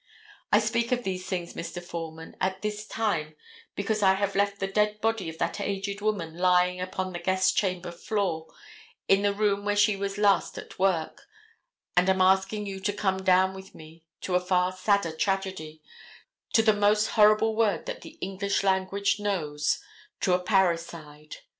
I speak of these things, Mr. Foreman, at this time because I have left the dead body of that aged woman lying upon the guest chamber floor, in the room where she was last at work, and am asking you to come down with me to a far sadder tragedy, to the most horrible word that the English language knows, to a parricide.